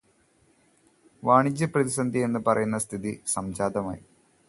വാണിജ്യപ്രതിസന്ധി എന്നു പറയുന്ന സ്ഥിതി സംജാതമായി.